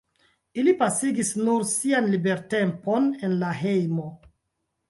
Ili pasigis nur sian libertempon en la hejmo.